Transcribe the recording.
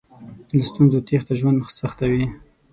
له ستونزو تېښته ژوند سختوي.